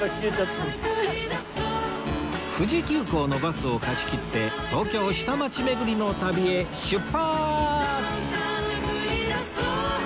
富士急行のバスを貸し切って東京下町巡りの旅へ出発！